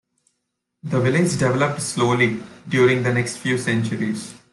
The village developed slowly during the next few centuries.